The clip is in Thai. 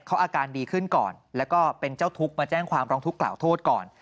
เขาอาการดีขึ้นก่อนแล้วก็เป็นเจ้าทุกข์มาแจ้งความร้องทุกข์กล่าวโทษก่อน